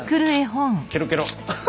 ケロケロ。